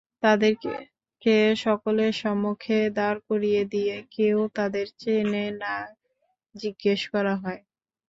তাদেরকে সকলের সম্মুখে দাঁড় করিয়ে দিয়ে কেউ তাদের চেনে কি-না জিজ্ঞেস করা হয়।